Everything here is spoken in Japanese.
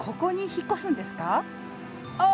ああ。